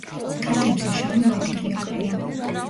თათებზე შავი ლაქები აყრია.